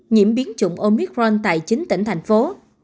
nhiễm biến chủng omicron tại chính tỉnh thành phố